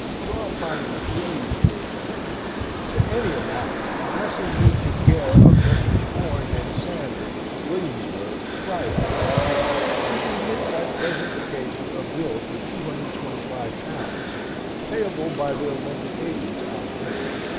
Draw upon me, please, dearest brother to any amount adressing me to care of Messrs. Horn and Sandon, Williamsburg, privit; who remitt by present occasion a bill for 225 pounds, payable by their London agents on demand.